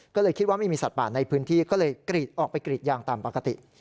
ก็เลยคิดว่าไม่มีสัตว์ป่าในพื้นที่ก็เลยกรีดออกไปกรีดยางตามปกติ